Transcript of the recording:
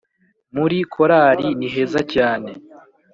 muri korari ni heza cyane